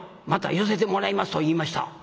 また寄せてもらいますと言いました」。